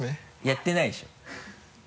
やってないでしょ。